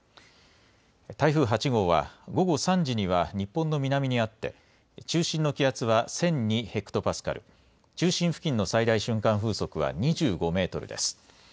台風８号は午後３時には日本の南にあって、中心の気圧は１００２ヘクトパスカル、中心付近の最大瞬間風速は２５メートルです。